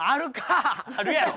あるやろ！